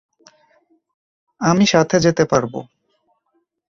আমি সাথে যেতে পারবো।